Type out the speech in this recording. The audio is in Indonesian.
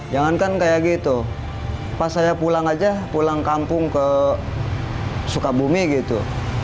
jangankan kayak gitu pas saya pulang aja pulang kampung ke sukabumi gitu